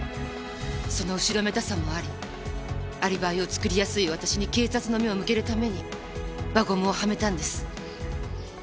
その後ろめたさもありアリバイを作りやすい私に警察の目を向けるために輪ゴムをはめたんです。